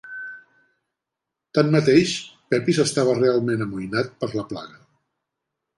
Tanmateix, Pepys estava realment amoïnat per la plaga.